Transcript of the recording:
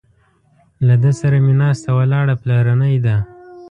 له ده سره مې ناسته ولاړه پلرنۍ ده.